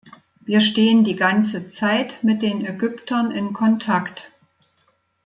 Wir stehen die ganze Zeit mit den Ägyptern in Kontakt.